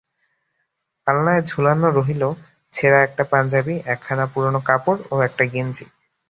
আলনায় ঝুলানো রহিল ছেড়া একটা পাঞ্জাবি, একখানা পুরোনো কাপড় ও একটা গেঞ্জি।